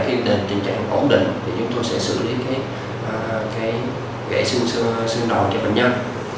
khi trình trạng ổn định chúng tôi sẽ xử lý gãy xương đòn cho bệnh nhân